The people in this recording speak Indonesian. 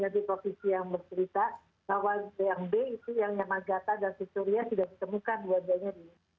di profisi yang bercerita bahwa yang b itu yang nyamagata dan sesuria sudah ditemukan kuadranya di indonesia